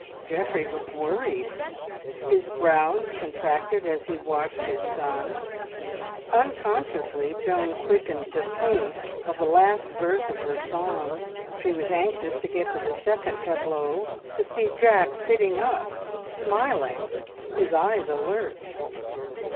Geoffrey looked worried; his brows contracted as he watched his son. Unconsciously Joan quickened the pace of the last verse of her song. She was anxious to get to the second tableau, to see Jack sitting up, smiling, his eyes alert.